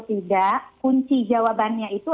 tidak kunci jawabannya itu